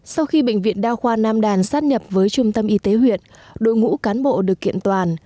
sau khi bệnh viện đa khoa nam đàn sát nhập với trung tâm y tế huyện đội ngũ cán bộ được kiện toàn